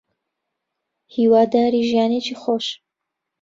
هیواداری ژیانێکی خۆش